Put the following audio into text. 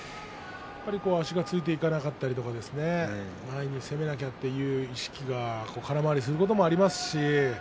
足がついていかなくなったり前に攻めなきゃという意識が空回りすることもありますし。